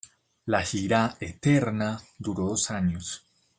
La gira "Eterna" duró dos años.